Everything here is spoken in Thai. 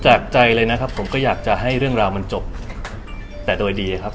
จากใจเลยนะครับผมก็อยากจะให้เรื่องราวมันจบแต่โดยดีครับ